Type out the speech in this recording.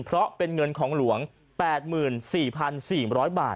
เพราะเป็นเงินของหลวง๘๔๔๐๐บาท